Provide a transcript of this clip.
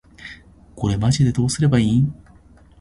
これマジでどうすれば良いん？